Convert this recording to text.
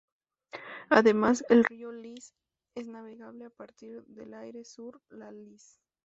Además, el río Lys es navegable a partir de Aire-sur-la-Lys.